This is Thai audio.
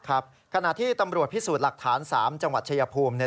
ขณะที่ตำรวจพิสูจน์หลักฐาน๓จังหวัดชายภูมิ